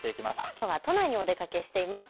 きょうは都内にお出かけしています。